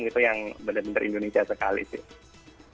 itu yang benar benar indonesia sekali sih